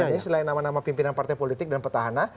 ini selain nama nama pimpinan partai politik dan petahana